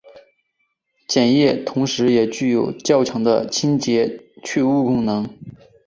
碱液同时也具有较强的清洁去污功能。